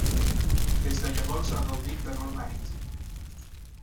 Des de llavors ha gaudit d'enorme èxit.